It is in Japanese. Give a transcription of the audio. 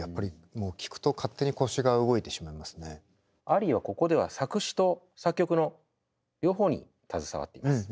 アリーはここでは作詞と作曲の両方に携わっています。